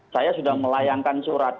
saya sudah melayangkan surat